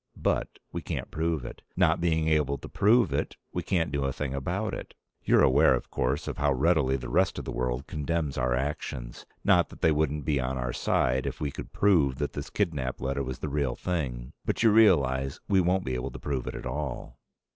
But we can't prove it. Not being able to prove it, we can't do a thing about it. You're aware, of course, of how readily the rest of the world condemns our actions. Not that they wouldn't be on our side if we could prove that this kidnap letter was the real thing, but you realize we won't be able to prove it at all."